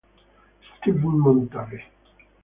Steven Montague.